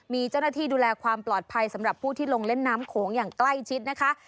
มีเจ้าหน้าที่ดูแลความปลอดภัยสำหรับผู้ที่ลงเล่นน้ำโขงอย่างใกล้ชิดนะคะ